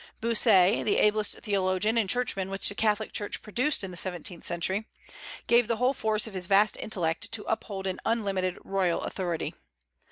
Bossuet, the ablest theologian and churchman which the Catholic Church produced in the seventeenth century, gave the whole force of his vast intellect to uphold an unlimited royal authority.